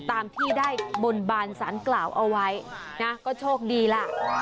ตามที่ได้บนบานสารกล่าวเอาไว้นะก็โชคดีล่ะ